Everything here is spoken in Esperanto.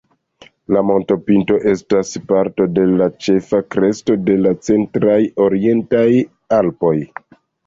La montopinto estas parto de la ĉefa kresto de la centraj orientaj Alpoj.